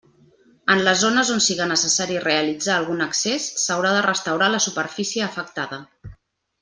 En les zones on siga necessari realitzar algun accés, s'haurà de restaurar la superfície afectada.